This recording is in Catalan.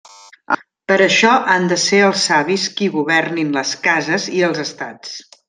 Per això han de ser els savis qui governin les cases i els estats.